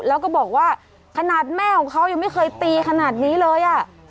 แล้วก็บอกว่าขนาดแม่ของเขายังไม่เคยตีขนาดนี้เลยอ่ะ